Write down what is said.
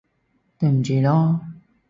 對唔住囉